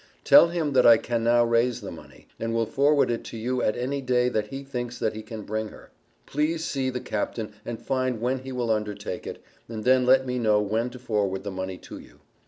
Tell him that I can now raise the money, and will forward it to you at any day that he thinks that he can bring her. Please see the Captain and find when he will undertake it, and then let me know when to forward the money to you.